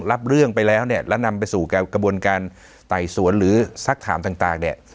รับเรื่องไปแล้วเนี่ยแล้วนำไปสู่กระบวนการไต่สวนหรือสักถามต่างเนี่ย